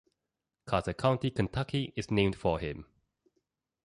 Carter County, Kentucky is named for him.